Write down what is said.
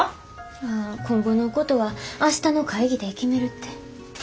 ああ今後のことは明日の会議で決めるって。